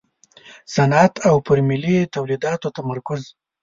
صنعت او پر ملي تولیداتو تمرکز.